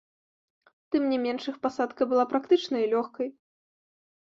Тым не менш, іх пасадка была практычнай і лёгкай.